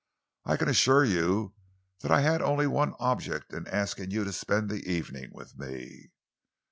"I can assure you that I had only one object in asking you to spend the evening with me."